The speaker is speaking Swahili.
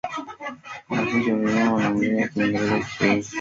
Wana funzi wa tanzania wanaongeaka kingereza na kishwahili